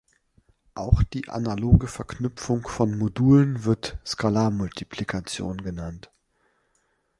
Auch die analoge Verknüpfung bei Moduln wird Skalarmultiplikation genannt.